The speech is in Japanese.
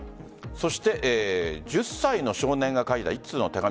そして１０歳の少年が書いた一通の手紙。